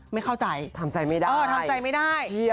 ไม่เข้าใจทำใจไม่ได้